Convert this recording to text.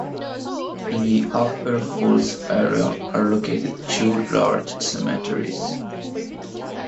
In the Upper Falls area are located two large cemeteries.